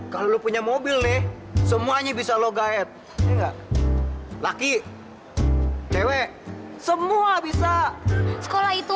kalau punya mobil nih semuanya bisa lo gayet laki lewe semua bisa sekolah itu